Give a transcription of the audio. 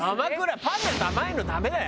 パンなんて甘いのダメだよ。